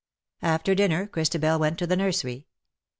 After dinner Christabel went to the nursery.